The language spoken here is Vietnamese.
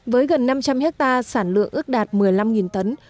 với gần năm trăm linh hectare sản lượng ước đạt một mươi năm tấn